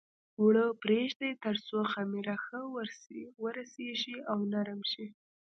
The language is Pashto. اوړه پرېږدي تر څو خمېره ښه ورسېږي او نرم شي.